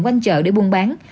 quanh chợ để buôn bán